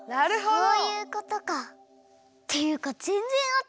そういうことか！っていうかぜんぜんあったかくならない！